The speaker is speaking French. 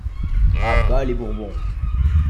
A bas les Bourbons !